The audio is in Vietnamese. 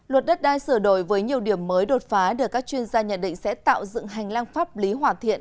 luật đất đai sửa đổi với nhiều điểm mới đột phá được các chuyên gia nhận định sẽ tạo dựng hành lang pháp lý hoàn thiện